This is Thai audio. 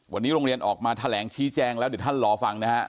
วันนี้โรงเรียนออกมาแถลงชี้แจงแล้วเดี๋ยวท่านรอฟังนะฮะ